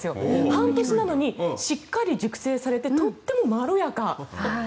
半年なのにしっかり熟成されてとてもまろやか。